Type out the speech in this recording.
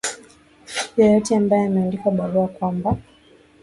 yeyote ambaye ameandikiwa barua kwamba